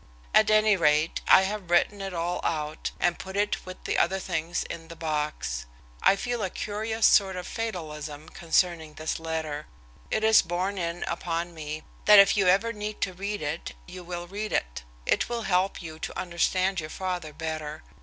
At any rate, I have written it all out, and put it with the other things in the box. I feel a curious sort of fatalism concerning this letter. It is borne in upon me that if you ever need to read it you will read it. It will help you to understand your father better.